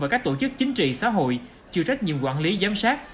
và các tổ chức chính trị xã hội chịu trách nhiệm quản lý giám sát